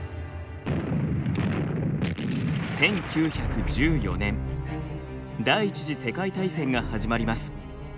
１９１４年第１次世界大戦が始まります。